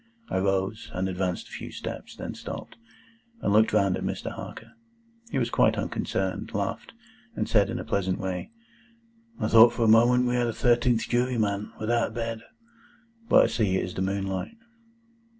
I rose, and advanced a few steps; then stopped, and looked round at Mr. Harker. He was quite unconcerned, laughed, and said in a pleasant way, "I thought for a moment we had a thirteenth juryman, without a bed. But I see it is the moonlight."